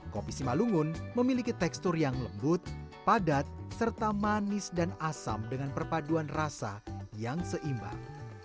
kopi simalungun memiliki tekstur yang lembut padat serta manis dan asam dengan perpaduan rasa yang seimbang